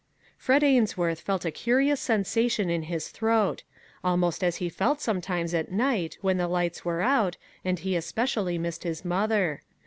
Fred Ainsworth felt a curious sensation in his throat ; almost as he felt sometimes at night when the lights were out, and he especially missed his mother.